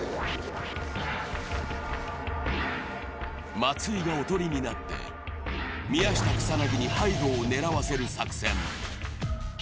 松井がおとりになって宮下草薙に背後を狙わせる作戦。